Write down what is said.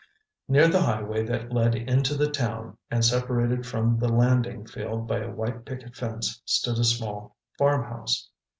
Near the highway that led into the town, and separated from the landing field by a white picket fence, stood a small farmhouse.